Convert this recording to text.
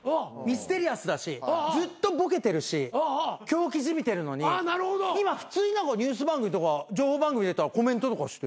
ミステリアスだしずっとボケてるし狂気じみてるのに今普通にニュース番組とか情報番組出たらコメントとかして。